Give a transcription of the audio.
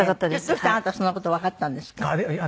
どうしてあなたそんな事わかったんですか？